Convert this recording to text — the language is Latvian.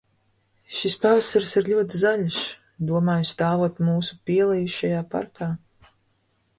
Šis pavasaris ir ļoti zaļš, domāju, stāvot mūsu pielijušajā parkā.